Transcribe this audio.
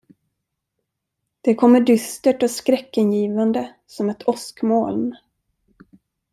Det kommer dystert och skräckingivande som ett åskmoln.